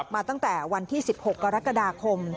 มาตั้งแต่วันที่๑๖กรกฎาคม